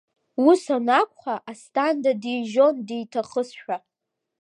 Ус анакәха, Асҭанда дижьон диҭахызшәа.